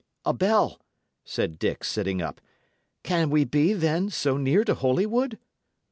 "A bell!" said Dick, sitting up. "Can we be, then, so near to Holywood?"